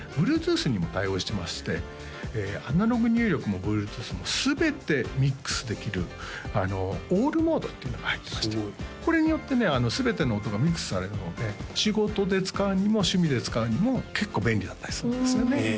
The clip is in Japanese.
Ｂｌｕｅｔｏｏｔｈにも対応してましてアナログ入力もＢｌｕｅｔｏｏｔｈも全てミックスできるオールモードっていうのが入ってましてこれによってね全ての音がミックスされるので仕事で使うにも趣味で使うにも結構便利だったりするんですよねへえ